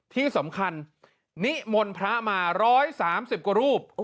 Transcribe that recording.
ที่สำคัญนิมนต์พระมา๑๓๐กว่ารูป